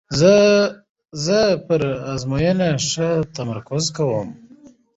زه پر آزموینو ښه تمرکز کوم.